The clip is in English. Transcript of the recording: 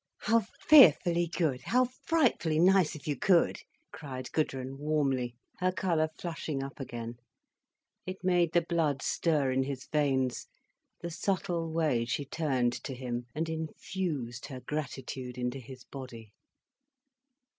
"How fearfully good! How frightfully nice if you could!" cried Gudrun warmly, her colour flushing up again. It made the blood stir in his veins, the subtle way she turned to him and infused her gratitude into his body.